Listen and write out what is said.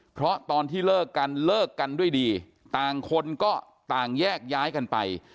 เพราะตอนที่เลิกกันเลิกกันด้วยดีต่างคนก็ต่างแยกย้ายกันไป